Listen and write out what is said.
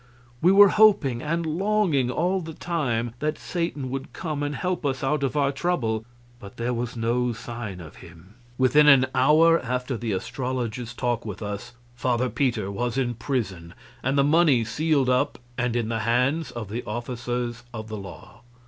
We were hoping and longing all the time that Satan would come and help us out of our trouble, but there was no sign of him. Within an hour after the astrologer's talk with us, Father Peter was in prison and the money sealed up and in the hands of the officers of the law.